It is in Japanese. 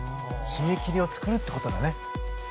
締め切りを作るということだね。